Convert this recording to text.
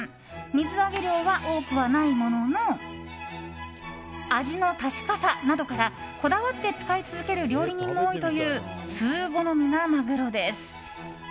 水揚げ量は多くはないものの味の確かさなどからこだわって使い続ける料理人も多いという通好みなマグロです。